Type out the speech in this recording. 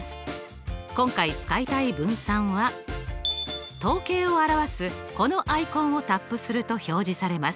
今回使いたい分散は統計を表すこのアイコンをタップすると表示されます。